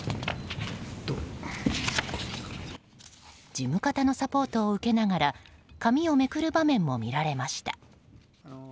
事務方のサポートを受けながら紙をめくる場面も見られました。